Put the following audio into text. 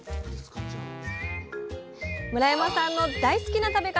村山さんの大好きな食べ方